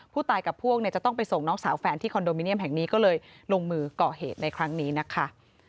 ผู้ตายกับพวกเนี่ยจะต้องไปส่งน้องสาวแฟนที่คอนโดมิเนียมแห่งนี้ก็เลยลงมือก่อเหตุในครั้งนี้นะคะ